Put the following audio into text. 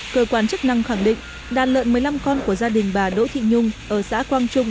cơ quan chức năng khẳng định đàn lợn một mươi năm con của gia đình bà đỗ thị nhung ở xã quang trung